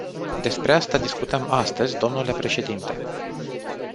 Despre asta discutăm astăzi, dle președinte.